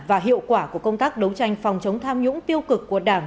và hiệu quả của công tác đấu tranh phòng chống tham nhũng tiêu cực của đảng